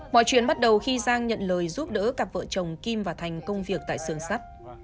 mọi chuyện bắt đầu khi giang nhận lời giúp đỡ cặp vợ chồng kim và thành công việc tại xưởng sắt